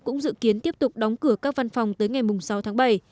cũng dự kiến tiếp tục đóng cửa các văn phòng tới ngày sáu tháng bảy